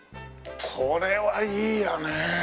これはいいよね。